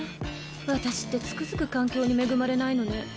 私ってつくづく環境に恵まれないのね。